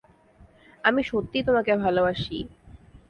আমি সত্যি তোমাকে ভালবাসি।